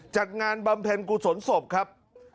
จัดงานบำเพ็ญกุศลศพครับ